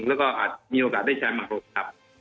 แล้วก็อาจมีโอกาสได้แชมป์มาครบครับ